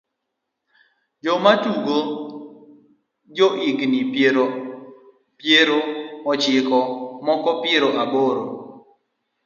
Joma tugo gin jo higni piero piero ochiko moko piero aboro.